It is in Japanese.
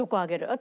私